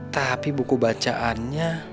tapi buku bacaannya